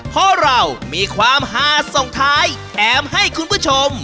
เพราะเรามีความหาส่งท้ายแถมให้คุณผู้ชม